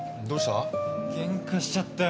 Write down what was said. ケンカしちゃったよ。